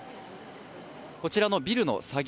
こちらのビルの作業